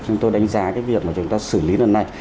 chúng tôi đánh giá cái việc mà chúng ta xử lý lần này